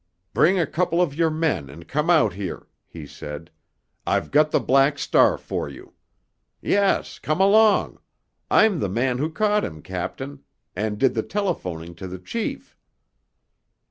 "Bring a couple of your men and come out here," he said. "I've got the Black Star for you. Yes—come along! I'm the man who caught him, captain, and did the telephoning to the chief."